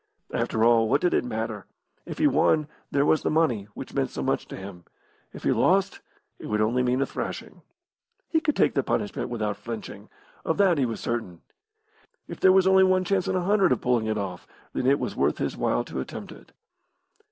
After all, what did it matter? If he won, there was the money, which meant so much to him. If he lost, it would only mean a thrashing. He could take punishment without flinching, of that he was certain. If there were only one chance in a hundred of pulling it off, then it was worth his while to attempt it.